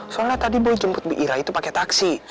soalnya tadi boy jemput bira itu pake taksi